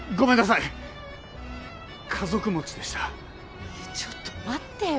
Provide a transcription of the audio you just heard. いやちょっと待ってよ。